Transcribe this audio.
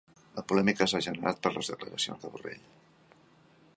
La polèmica s'ha generat per les declaracions de Borrell